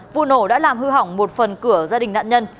vụ nổ đã làm hư hỏng một phần cửa gia đình nạn nhân